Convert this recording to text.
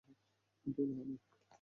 কিন্তু না, না।